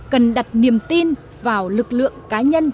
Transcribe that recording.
cần đặt niềm tin vào lực lượng cá nhân